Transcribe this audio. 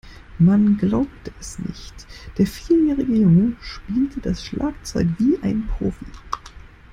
Man glaubte es nicht, der vierjährige Junge spielte das Schlagzeug wie ein Profi.